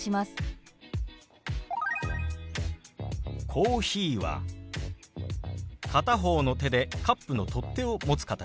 「コーヒー」は片方の手でカップの取っ手を持つ形。